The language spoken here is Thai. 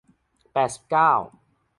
แปดสิบเก้า